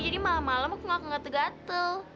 jadi malam malam aku gak akan ngate ngatel